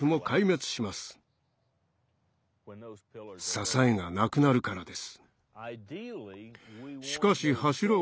支えがなくなるからです。